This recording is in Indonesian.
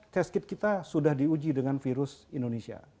test kit kita sudah diuji dengan virus indonesia